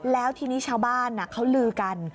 แล้วทีนี้ชาวบ้านเขาลือกัน